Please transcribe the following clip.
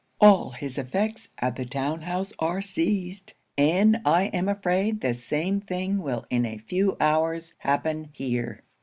All his effects at the town house are seized; and I am afraid the same thing will in a few hours happen here.